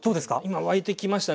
今沸いてきましたね